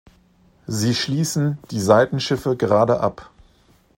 Sie schließen die Seitenschiffe gerade ab.